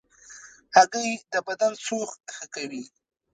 هګۍ د بدن سوخت ښه کوي.